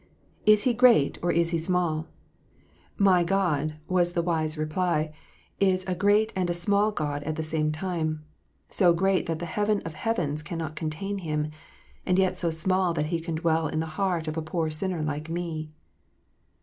Is He great or is He small ?"" My God," was the wise reply, " is a great and a small God at the same time : so great that the heaven of heavens cannot contain Him, and yet so small that He can dwell in the heart of a poor sinner like me."